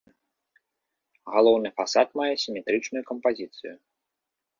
Галоўны фасад мае сіметрычную кампазіцыю.